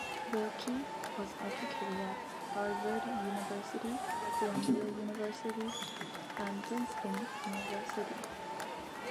Willkie was educated at Harvard University, Columbia University and Princeton University.